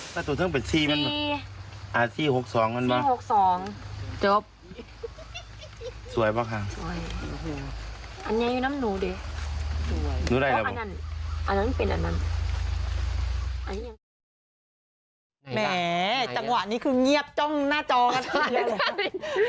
แหมจังหวะนี้คือเงียบจ้องหน้าจอขนาดนี้